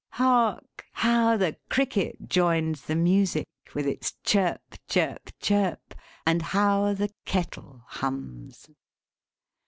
Hark! how the Cricket joins the music with its Chirp, Chirp, Chirp; and how the kettle hums!